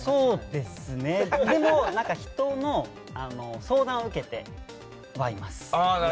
でも人の相談を受けてはいます。